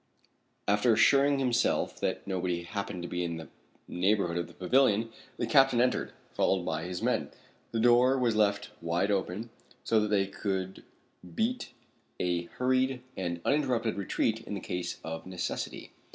After assuring himself that nobody happened to be in the neighborhood of the pavilion the captain entered, followed by his men. The door was left wide open, so that they could beat a hurried and uninterrupted retreat in case of necessity.